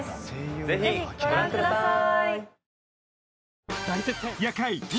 ぜひご覧ください